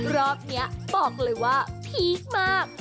รอบนี้บอกเลยว่าพีคมาก